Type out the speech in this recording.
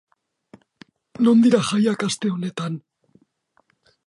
Non dira jaiak aste honetan?